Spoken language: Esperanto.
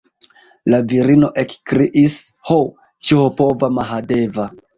La virino ekkriis: Ho, ĉiopova Mahadeva!